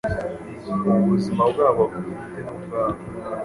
ubuzima bwabo bwite nubwabo